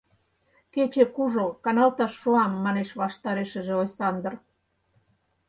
— Кече кужу, каналташ шуам, — манеш ваштаре шыже Ойсандыр.